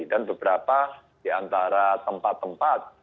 beberapa di antara tempat tempat